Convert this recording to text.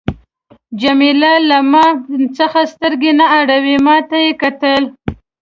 جميله له ما څخه سترګې نه اړولې، ما ته یې کتل.